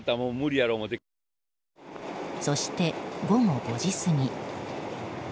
そして午後５時過ぎ。